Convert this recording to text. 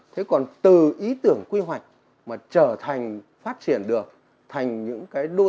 thế còn từ ý tưởng quy hoạch mà trở thành phát triển được thành những cái đô